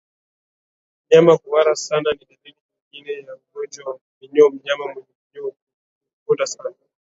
Mnyama kuhara sana ni dalili nyingine ya ugonjwa wa minyoo Mnyama mwenye minyoo hukonda sana